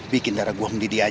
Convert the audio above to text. bikin darah gua mendidih aja